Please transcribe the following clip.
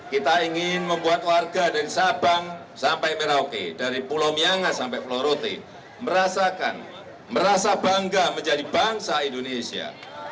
kita ingin membuat warga dari sabang sampai merauke dari pulau myangas sampai pulau rote merasakan merasa bangga menjadi bangsa indonesia